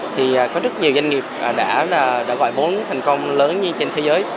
thì có rất nhiều doanh nghiệp đã gọi bốn thành công lớn như trên thế giới